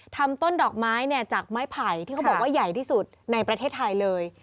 ต้นดอกไม้เนี่ยจากไม้ไผ่ที่เขาบอกว่าใหญ่ที่สุดในประเทศไทยเลย